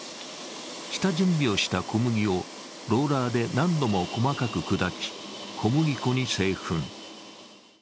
下準備をした小麦をローラーで何度も細かく砕き、小麦粉に製粉。